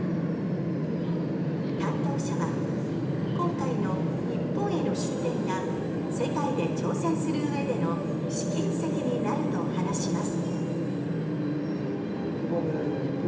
担当者は今回の日本への出店が世界で挑戦する上での試金石になると話します。